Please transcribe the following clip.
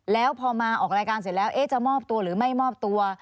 แล้วพอมาออกรายการเสร็จแล้วจะมอบตัวหรือไม่มอบตัว